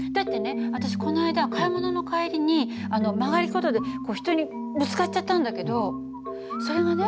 私この間買い物の帰りに曲がり角で人にぶつかっちゃったんだけどそれがね